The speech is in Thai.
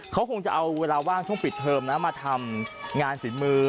เขาคงจะเอาเวลาว่างช่วงปิดเทอมนะมาทำงานฝีมือ